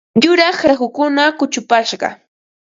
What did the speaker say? Yuraq rahukuna kuchupashqa.